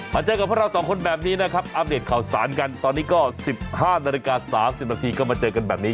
เจอกับพวกเราสองคนแบบนี้นะครับอัปเดตข่าวสารกันตอนนี้ก็๑๕นาฬิกา๓๐นาทีก็มาเจอกันแบบนี้